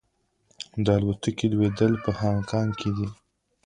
د الوتکې لوېدل په هانګ کې کې.